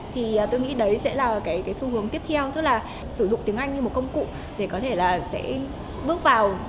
thì tôi nghĩ đấy sẽ là cái xu hướng tiếp theo tức là sử dụng tiếng anh như một công cụ để có thể là sẽ bước vào